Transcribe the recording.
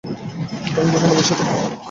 টং দোকানে বসে থাকি।